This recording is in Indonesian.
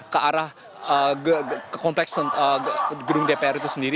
ke arah kompleks gedung dpr itu sendiri